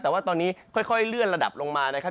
แต่ว่าตอนนี้ค่อยเลื่อนระดับลงมานะครับ